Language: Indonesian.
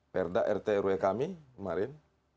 perda rt rw kami kemarin